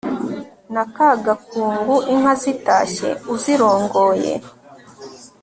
na kagakungu inka zitashye uzirongoye